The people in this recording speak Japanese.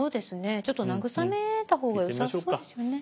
ちょっと慰めた方がよさそうですよね。